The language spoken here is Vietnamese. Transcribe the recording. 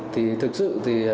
thì thực sự